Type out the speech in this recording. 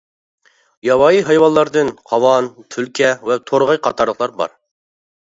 ياۋايى ھايۋانلاردىن قاۋان، تۈلكە ۋە تورغاي قاتارلىقلار بار.